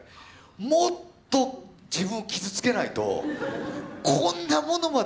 もっと自分を傷つけないと「こんなものまで買うわけ俺」って。